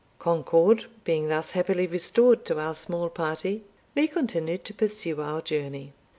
Concord being thus happily restored to our small party, we continued to pursue our journey.